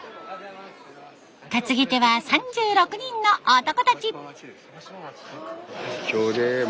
担ぎ手は３６人の男たち。